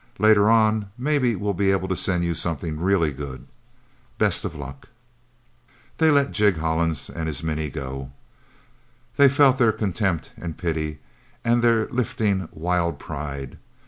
Later on, maybe we'll be able to send you something really good. Best of luck..." They let Jig Hollins and his Minnie go. They felt their contempt and pity, and their lifting, wild pride.